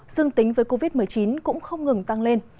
dương tính với covid một mươi chín cũng không ngừng tăng lên